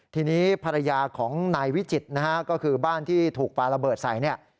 ทีนี้ภรรยาของนายวิจิตรนะฮะก็คือบ้านที่ถูกปลาระเบิดใส่เนี่ย